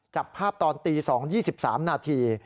จับภาพตอนตี๒๒๓นาที